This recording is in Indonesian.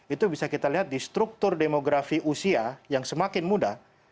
itu bisa kita lihat di struktur demografi usia yang semakin muda